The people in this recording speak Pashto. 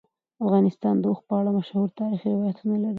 افغانستان د اوښ په اړه مشهور تاریخی روایتونه لري.